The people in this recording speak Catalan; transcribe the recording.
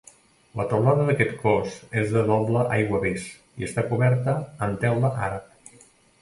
La teulada d'aquest cos és de doble aiguavés i està coberta amb teula àrab.